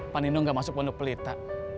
panino gak masuk pondok pelita